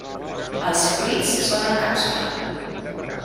Els fruits són en càpsula.